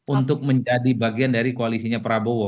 untuk menjadi bagian dari koalisinya prabowo